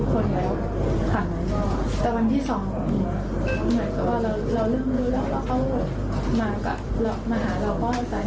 คิดว่าไม่น่าจะได้กลับมาหาทุกคนแล้วค่ะแต่วันที่สองอืม